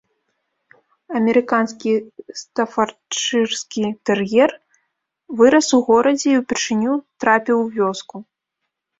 Амерыканскі стафардшырскі тэр'ер вырас у горадзе і ўпершыню трапіў у вёску.